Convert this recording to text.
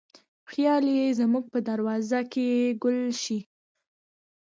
خیال یې زموږ په دروازه کې ګل شي